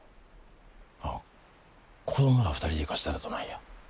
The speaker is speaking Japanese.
あっ子供ら２人で行かせたらどないや。